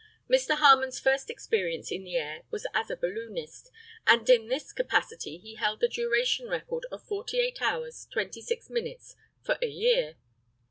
Mr. Harmon's first experience in the air was as a balloonist, and in this capacity he held the duration record of 48 hours 26 minutes for a year.